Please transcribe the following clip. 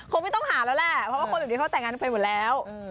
คงไม่ต้องหาแล้วแหละเพราะว่าคนแบบนี้เขาแต่งงานกันไปหมดแล้ว